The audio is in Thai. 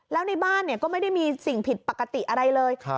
แล้วในบ้านก็ไม่ได้มีสิ่งผิดปกติอะไรเลย